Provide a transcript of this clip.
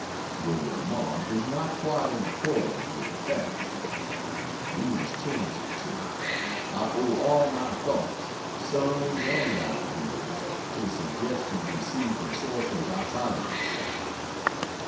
Your remark is not quite in accordance with the facts. We must change it to "I owe all my thoughts, sermons and ideas to suggestions received from sources outside of myself."